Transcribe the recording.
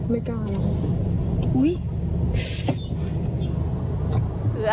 ไม่กลายเหรอ